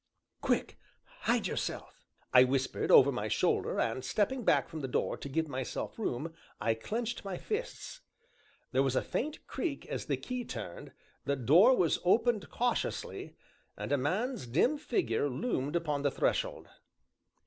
"Quick! hide yourself!" I whispered, over my shoulder, and, stepping back from the door to give myself room, I clenched my fists. There was a faint creak as the key turned, the door was opened cautiously, and a man's dim figure loomed upon the threshold.